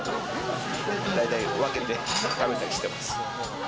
だいたい分けて食べたりしてます。